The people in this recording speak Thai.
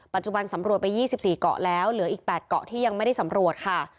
ปัจจุบันสำรวจไป๒๔เกาะแล้วเหลืออีก๘เกาะที่ยังไม่ได้สำรวจค่ะ